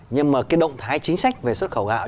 nhưng mà cái động thái chính sách về xuất khẩu gạo